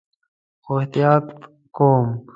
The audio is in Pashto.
خو احتیاط کوم